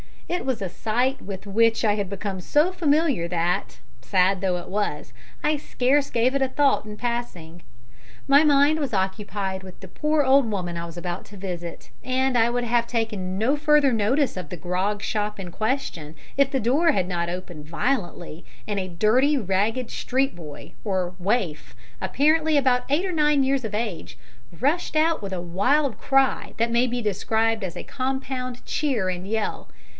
It was a sight with which I had become so familiar that, sad though it was, I scarce gave it a thought in passing. My mind was occupied with the poor old woman I was about to visit, and I would have taken no further notice of the grog shop in question if the door had not opened violently, and a dirty ragged street boy, or "waif," apparently about eight or nine years of age, rushed out with a wild cry that may be described as a compound cheer and yell.